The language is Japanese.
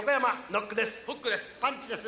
フックです。